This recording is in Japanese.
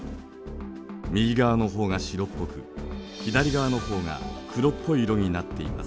右側の方が白っぽく左側の方が黒っぽい色になっています。